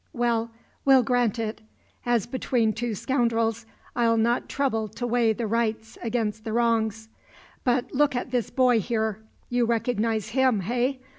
Well, we'll grant it. As between two scoundrels I'll not trouble to weigh the rights against the wrongs. But look at this boy, here. You recognize him, hey?